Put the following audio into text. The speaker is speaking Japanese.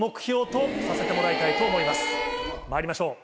まいりましょう。